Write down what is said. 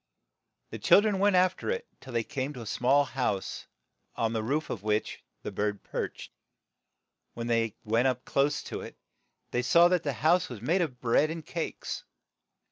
The chil dren went after it till they came to a small house, on the roof of which the bird perched. When they went up close to it, they saw that the house was made of bread and cakes.